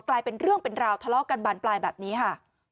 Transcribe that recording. กลายเป็นเรื่องเป็นราวทะเลาะกันบานปลายแบบนี้ค่ะ